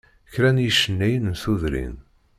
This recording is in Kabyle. Kra n yicennayen n tudrin.